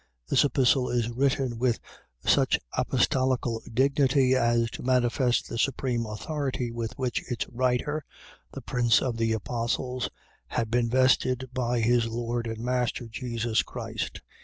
This Epistle is written with such apostolical dignity as to manifest the supreme authority with which its writer, the Prince of the Apostles, had been vested by his Lord and Master, Jesus Christ.